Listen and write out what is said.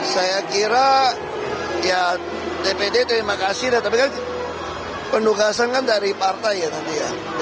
saya kira ya dpd terima kasih dan tapi kan pendukasankan dari partai ya nanti ya